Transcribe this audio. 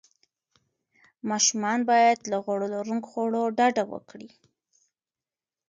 ماشومان باید له غوړ لروونکو خوړو ډډه وکړي.